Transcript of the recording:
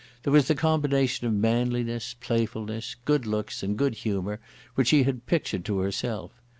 There was the combination of manliness, playfulness, good looks, and good humour which she had pictured to herself.